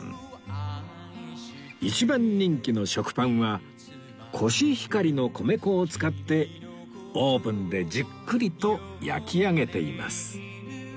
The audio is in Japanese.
一番人気の食パンはコシヒカリの米粉を使ってオーブンでじっくりと焼き上げています